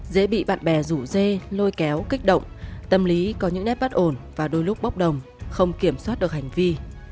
dễ bị bạn bè rủ dê lôi kéo kích động tâm lý có những nét bất ổn và đôi lúc bốc đồng không kiểm soát được hành vi